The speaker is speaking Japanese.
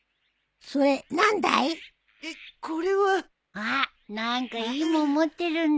あっ何かいい物持ってるんだ。